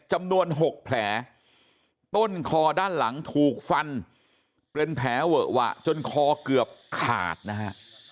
จำนวน๖แผลต้นคอด้านหลังถูกฟันเป็นแผลเวอะหวะจนคอเกือบขาดนะฮะ